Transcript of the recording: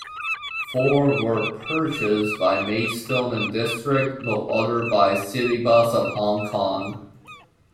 Four were purchased by Maidstone and District, the other by Citybus of Hong Kong.